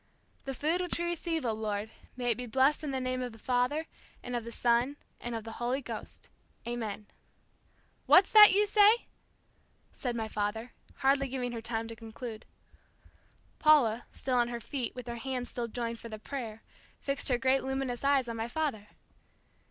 "The food which we receive, O Lord, may it be blessed in the name of the Father, and of the Son, and of the Holy Ghost. Amen." "What's that you say?" said my father, hardly giving her time to conclude. Paula, still on her feet, with her hands still joined for the prayer, fixed her great luminous eyes on my father.